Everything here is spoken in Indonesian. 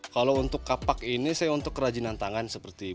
kalau untuk kapak ini saya untuk kerajinan tangan seperti